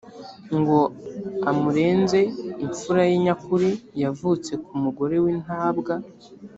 ngo amurenze imfura ye nyakuri yavutse ku mugore w’intabwa;